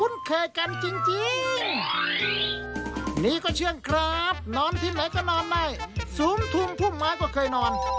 นอนที่ไหนก็นอนได้สูงทุ่มพุ่มไม้ก็เคยนอน